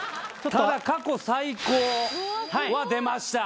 ただ過去最高は出ました